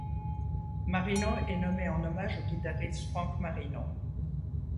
Marino est nommé en hommage au guitariste Frank Marino.